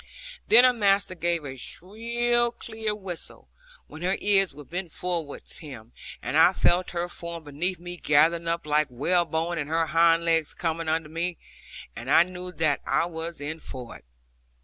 Then her master gave a shrill clear whistle, when her ears were bent towards him, and I felt her form beneath me gathering up like whalebone, and her hind legs coming under her, and I knew that I was in for it.